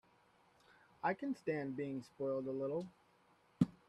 I can stand being spoiled a little.